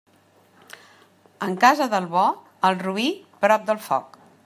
En casa del bo, el roí prop del foc.